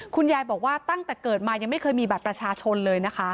คุณยายบอกว่าตั้งแต่เกิดมายังไม่เคยมีบัตรประชาชนเลยนะคะ